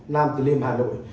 nam tư liêm hà nội